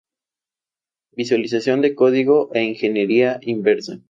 Visualización de Código e Ingeniería Inversa.